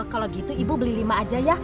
kalau gitu ibu beli lima aja ya